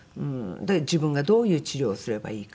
自分がどういう治療をすればいいか。